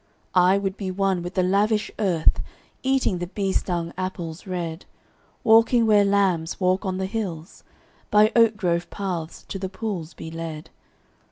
I would be one with the lavish earth, Eating the bee stung apples red: Walking where lambs walk on the hills; By oak grove paths to the pools be led.